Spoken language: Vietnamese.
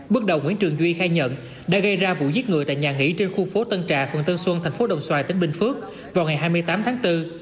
bước đầu nguyễn trường duy khai nhận đã gây ra vụ giết người tại nhà nghỉ trên khu phố tân trà phường tân xuân thành phố đồng xoài tỉnh bình phước vào ngày hai mươi tám tháng bốn